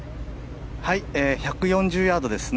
１４０ヤードですね。